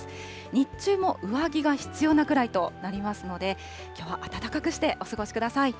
日中も上着が必要なくらいとなりますので、きょうは暖かくしてお過ごしください。